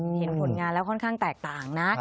เห็นผลงานแล้วค่อนข้างแตกต่างนะ